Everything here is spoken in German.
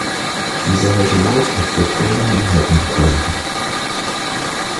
Diese Heuchelei darf hier keine Mehrheiten bekommen!